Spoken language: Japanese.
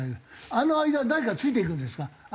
あの間誰かついていくんですか？